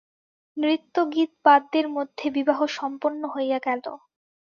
নৃত্যগীতবাদ্যের মধ্যে বিবাহ সম্পন্ন হইয়া গেল।